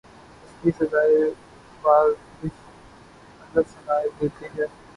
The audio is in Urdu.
اس کی صدائے بازگشت اگر سنائی دیتی ہے۔